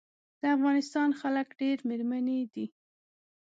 د افغانستان خلک ډېر مېړني دي.